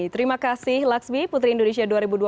terima kasih laksmi putri indonesia dua ribu dua puluh